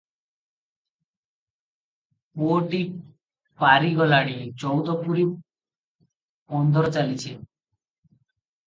ପୁଅଟି ପାରି ଗଲାଣି, ଚଉଦ ପୁରୀ ପନ୍ଦର ଚାଲିଛି ।